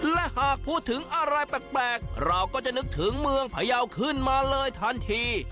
และหากพูดถึงอะไรแปลกเราก็จะนึกถึงเมืองพยาวขึ้นมาเลยทันที